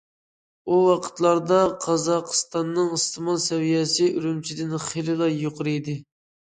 ئۇ ۋاقىتلاردا قازاقىستاننىڭ ئىستېمال سەۋىيەسى ئۈرۈمچىدىن خېلىلا يۇقىرى ئىدى.